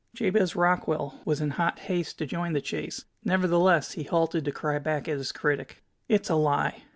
Jabez Rockwell was in hot haste to join the chase; nevertheless he halted to cry back at his critic: "It's a lie!